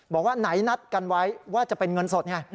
บอกว่าไหนนัดกันไว้ว่าจะเป็นเงินสดไง